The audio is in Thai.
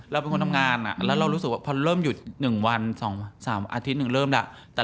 เราเป็นคนทำงานแล้วเรารู้สึกว่าพอเริ่มหยุด๑วัน๒๓อาทิตย์หนึ่งเริ่มแล้ว